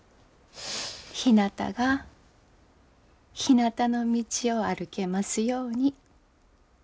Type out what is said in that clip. ひなたが「ひなたの道」を歩けますように。